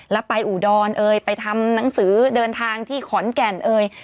แล้วไปอุดรเอ่ยไปทำหนังสือเดินทางที่ขอนแก่นเอ่ย